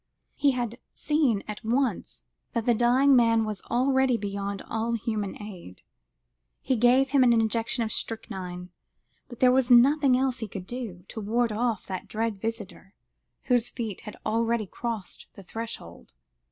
He had seen at once that the dying man was already beyond all human aid; he gave him an injection of strychnine, but there was nothing else he could do, to ward off that dread visitor, whose feet had already crossed the threshold.